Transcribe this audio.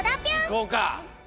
いこうか！